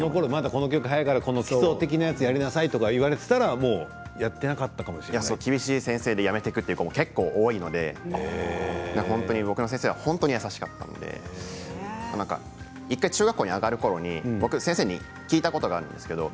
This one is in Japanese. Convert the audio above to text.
基礎的なことをやりなさいと言われていたら、やって厳しい先生で、やめていくという子どもも多いので僕の先生はとても優しかったので１回、中学校に上がるころに先生に聞いたことがあるんです。